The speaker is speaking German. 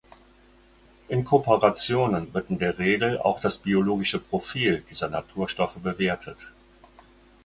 In Kooperationen wird in der Regel auch das biologische Profil dieser Naturstoffe bewertet.